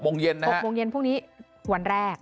โมงเย็นนะ๖โมงเย็นพรุ่งนี้วันแรก